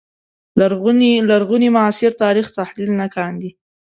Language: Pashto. لرغوني معاصر تاریخ تحلیل نه کاندي